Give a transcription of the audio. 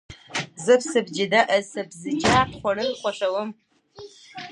زه سبزیجات خوړل خوښوم.